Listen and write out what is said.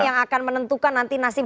yang akan menentukan nanti nasib